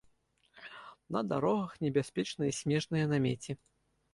На дарогах небяспечныя снежныя намеці.